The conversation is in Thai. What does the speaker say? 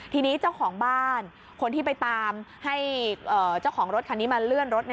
ทีนี้เจ้าของบ้านคนที่ไปตามให้เจ้าของรถคันนี้มาเลื่อนรถ